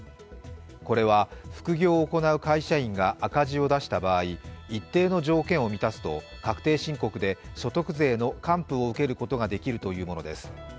これは、副業を行う会社員が赤字を出した場合、一定の条件を満たすと確定申告で所得税の還付を受けることができるというものです。